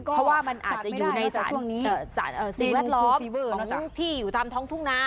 เพราะว่ามันอาจจะอยู่ในสารสิ่งแวดล้อมของที่อยู่ตามท้องทุ่งนา